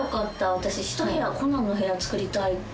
「私１部屋『コナン』の部屋作りたい」って。